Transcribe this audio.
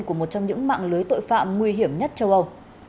của một trong những mạng lưới tội phạm nguy hiểm nhất châu âu